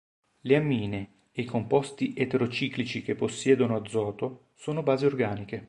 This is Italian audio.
Le ammine e i composti eterociclici che possiedono azoto, sono basi organiche.